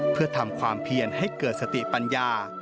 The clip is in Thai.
เพื่อทำความเพียรให้เกิดสติปัญญา